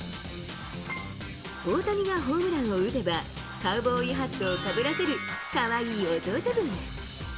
大谷がホームランを打てば、カウボーイハットをかぶらせる、かわいい弟分。